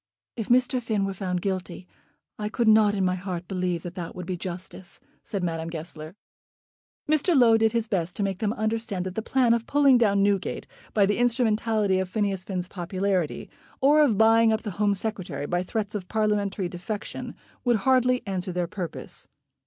"If Mr. Finn were found guilty, I could not in my heart believe that that would be justice," said Madame Goesler. Mr. Low did his best to make them understand that the plan of pulling down Newgate by the instrumentality of Phineas Finn's popularity, or of buying up the Home Secretary by threats of Parliamentary defection, would hardly answer their purpose.